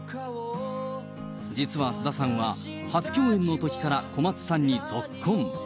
実は菅田さんは、初共演のときから小松さんにぞっこん。